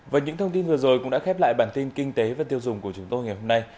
và những thông tin vừa rồi cũng đã khép lại bản tin kinh tế và tiêu dùng của chúng tôi ngày hôm nay